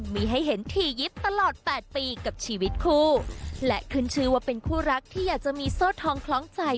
มีให้เห็นถี่ยิบตลอดแปดปีกับชีวิตคู่และขึ้นชื่อว่าเป็นคู่รักที่อยากจะมีโซ่ทองคล้องใจ